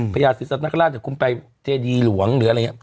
ญาศิษัตนคราชจากคุณไปเจดีหลวงหรืออะไรอย่างนี้